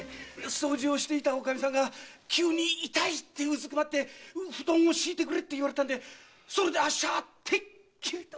掃除をしていたおかみさんが急に「痛い！」ってうずくまって布団を敷いてくれって言われてそれであっしはてっきりと！